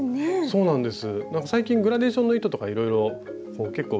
そうなんです